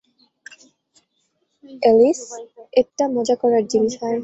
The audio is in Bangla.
এলিস, এটা মজা করার জিনিস না।